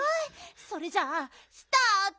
それじゃあスタート！